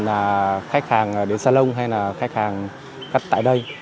là khách hàng đến salon hay là khách hàng cắt tại đây